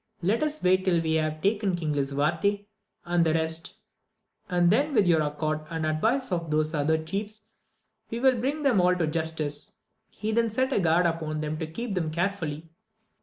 Let us wait till we have taken King Lisuarte and the rest, and then with your accord and the advice of these other chiefs, we will bring them all to justice ; he then set a guard upon them to keep them careMly.